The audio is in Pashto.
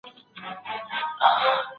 څوک د سولي د تړونونو تضمین کوي؟